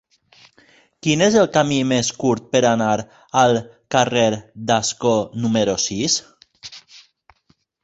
Quin és el camí més curt per anar al carrer d'Ascó número sis?